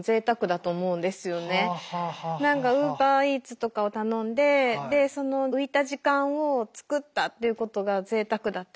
何かウーバーイーツとかを頼んでその浮いた時間を作ったっていうことがぜいたくだったりとか。